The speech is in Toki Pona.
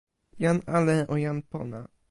jan ale o jan pona.